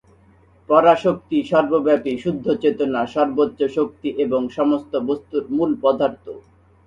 পরাশক্তি সর্বব্যাপী, শুদ্ধ চেতনা, সর্বোচ্চ শক্তি এবং সমস্ত বস্তুর মূলপদার্থ।